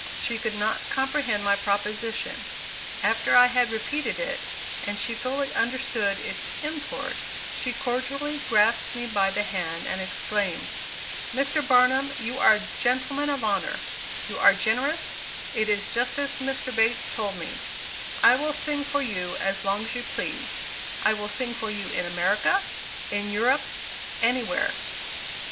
She could not comprehend my proposition. After I had repeated it, and she fully understood its import, she cordially grasped me by the hand, and exclaimed, "Mr. Barnum, you are a gentleman of honor: you are generous; it is just as Mr. Bates told me; I will sing for you as long as you please; I will sing for you in America in Europe anywhere!"